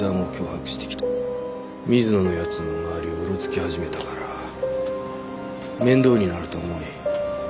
水野の奴の周りをうろつき始めたから面倒になると思い。